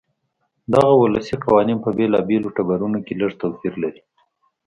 دغه ولسي قوانین په بېلابېلو ټبرونو کې لږ توپیر لري.